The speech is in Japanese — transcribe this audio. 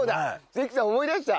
関さん思い出した。